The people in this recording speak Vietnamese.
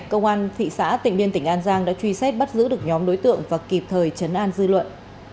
cơ quan thị xã tỉnh biên tỉnh an giang đã truy xét bắt giữ được nhóm đối tượng và kịp thời chấn an dư luận